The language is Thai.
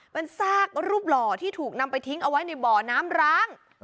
เป็นซากรูปหล่อที่ถูกนำไปทิ้งเอาไว้ในบ่อน้ำร้าง